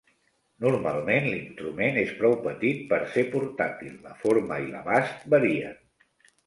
Normalment l'instrument és prou petit per ser portàtil; la forma i l'abast varien.